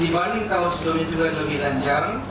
dibanding tahun sebelumnya juga lebih lancar